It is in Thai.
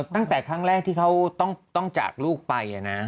ตั้งแต่ครั้งแรกที่เขาต้องจากลูกไป